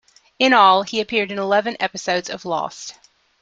In all, he appeared in eleven episodes of "Lost".